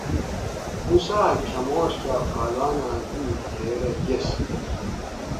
موسیٰ اۤ کھماڛ کاۤ پہلواناں دوئ تھیرہ گیس